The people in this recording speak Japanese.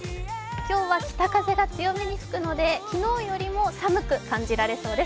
今日は北風が強めに吹くので昨日より寒く感じられそうです。